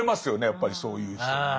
やっぱりそういう人って。